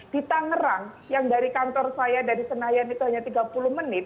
di tangerang yang dari kantor saya dari senayan itu hanya tiga puluh menit